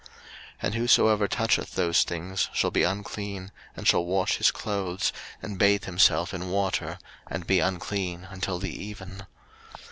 03:015:027 And whosoever toucheth those things shall be unclean, and shall wash his clothes, and bathe himself in water, and be unclean until the even.